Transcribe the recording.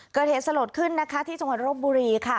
เกิดเหตุสะโหลดขึ้นนะครับที่จงวันโรคบุรีค่ะ